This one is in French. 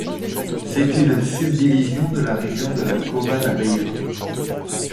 C'est une subdivision de la région de la Cova da Beira.